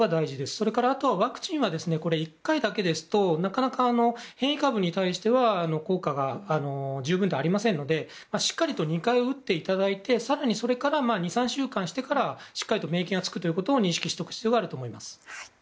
それからワクチンは１回だけだとなかなか、変異株に対しては効果が十分ではありませんのでしっかりと２回打っていただいて更にそれから２３週間してからしっかり免疫がつくことを認識する必要があると思います。